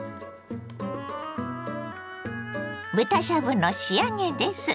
豚しゃぶの仕上げです。